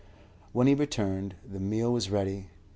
When he returned, the meal was ready.